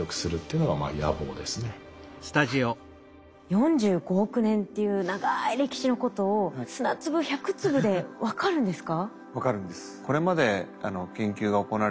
４５億年っていう長い歴史のことを砂粒１００粒で分かるんですか？